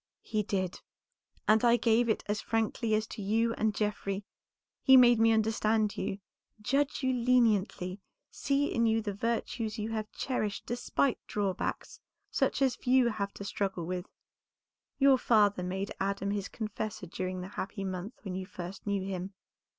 "He did, and I gave it as frankly as to you and Geoffrey. He made me understand you, judge you leniently, see in you the virtues you have cherished despite drawbacks such as few have to struggle with. Your father made Adam his confessor during the happy month when you first knew him.